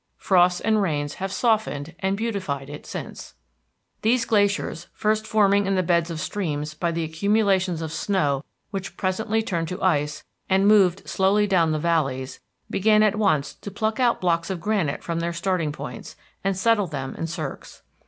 Frosts and rains have softened and beautified it since. These glaciers, first forming in the beds of streams by the accumulations of snow which presently turned to ice and moved slowly down the valleys, began at once to pluck out blocks of granite from their starting points, and settle themselves in cirques.